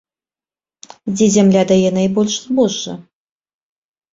Дзе зямля дае найбольш збожжа?